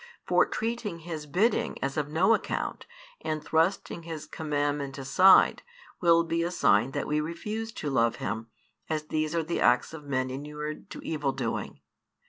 For treating His bidding as of no account and thrusting His commandment aside will be a sign that we refuse to love Him, as these are the acts of men inured to evil doing.